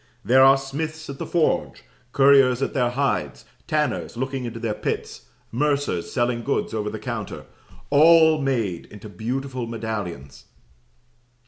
There are smiths at the forge, curriers at their hides, tanners looking into their pits, mercers selling goods over the counter all made into beautiful medallions.